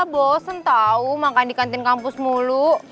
bosen tau makan di kantin kampus mulu